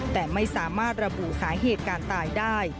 แต่ไม่สามารถระบุสาเหตุการตายได้